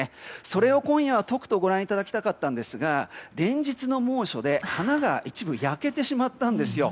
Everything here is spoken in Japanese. それを今夜はとくとご覧いただきたかったんですが連日の猛暑で花が一部焼けてしまったんです。